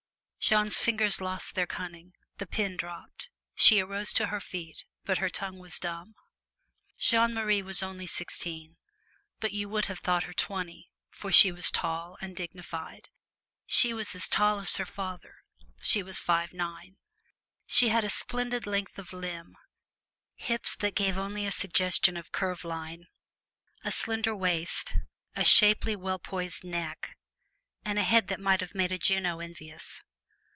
Jeanne's fingers lost their cunning, the pen dropped; she arose to her feet, but her tongue was dumb. Jeanne Marie was only sixteen, but you would have thought her twenty, for she was tall and dignified she was as tall as her father: she was five feet nine. She had a splendid length of limb, hips that gave only a suggestion of curve line, a slender waist, a shapely, well poised neck, and a head that might have made a Juno envious.